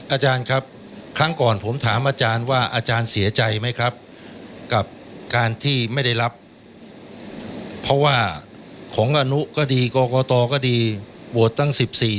อาจารย์ครับครั้งก่อนผมถามอาจารย์ว่าอาจารย์เสียใจไหมครับกับการที่ไม่ได้รับเพราะว่าของอนุก็ดีกรกตก็ดีโหวตตั้ง๑๔